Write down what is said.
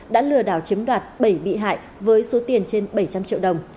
đã lừa đảo chiếm đoạt bảy bị hại với số tiền trên bảy trăm linh triệu đồng